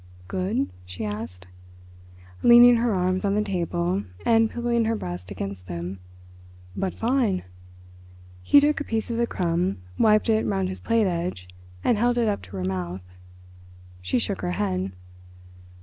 "Good?" she asked, leaning her arms on the table and pillowing her breast against them. "But fine!" He took a piece of the crumb, wiped it round his plate edge, and held it up to her mouth. She shook her head.